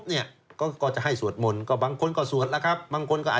คือก็ก็จะให้สวดมนต์บางคนก็สวดแล้วก็อาจจะไม่สวด